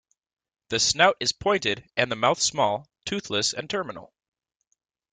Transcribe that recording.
The snout is pointed and the mouth small, toothless, and terminal.